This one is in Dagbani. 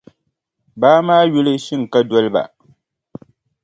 Baa maa yuli “Shinkadoliba.”.